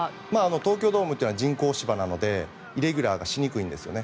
東京ドームというのは人工芝なのでイレギュラーしにくいんですね。